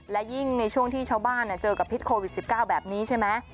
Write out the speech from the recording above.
และยิ่งในช่วงที่ชาวบ้านเจอกับพิษโควิด๑๙แบบนี้ใช่ไหม